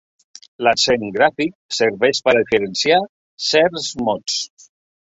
L'accent gràfic serveix per a diferenciar certs mots.